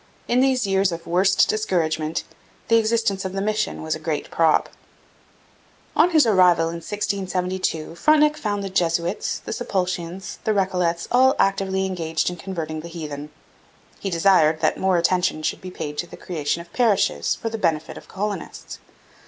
In these years of worst discouragement the existence of the mission was a great prop. On his arrival in 1672 Frontenac found the Jesuits, the Sulpicians, and the Recollets all actively engaged in converting the heathen. He desired that more attention should be paid to the creation of parishes for the benefit of the colonists.